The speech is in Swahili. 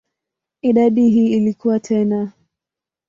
Idadi hii ilikua tena.